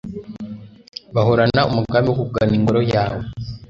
bahorana umugambi wo kugana Ingoro yawe